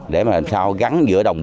để làm sao gắn giữa đồng tiền